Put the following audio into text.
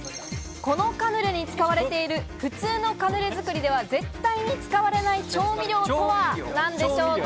このカヌレに使われている普通のカヌレ作りでは絶対に使われない調味料とは何でしょうか？